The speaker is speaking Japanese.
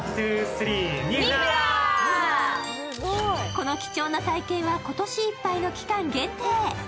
この貴重な体験は今年いっぱいの期間限定。